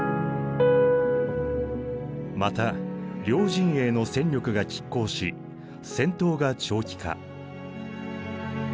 また両陣営の戦力がきっ抗し戦闘が長期化。